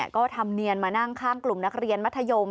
ก็ทำเนียนมานั่งข้างกลุ่มนักเรียนมัธยม